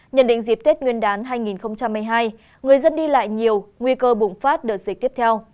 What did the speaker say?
nhận định dịp tết nguyên đán hai nghìn hai mươi hai người dân đi lại nhiều nguy cơ bùng phát đợt dịch tiếp theo